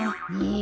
え？